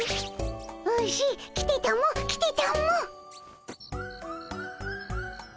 ウシ来てたも来てたもっ！